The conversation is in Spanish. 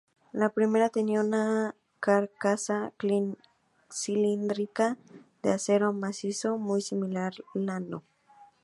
La primera tenía una carcasa cilíndrica de acero macizo, muy similar la No.